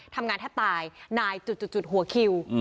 ทำงานแทบตายนายจุดหัวคิว